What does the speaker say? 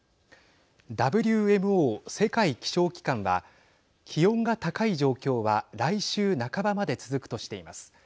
ＷＭＯ＝世界気象機関は気温が高い状況は来週半ばまで続くとしています。